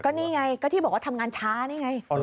นี่ไงก็ที่บอกว่าทำงานช้านี่ไง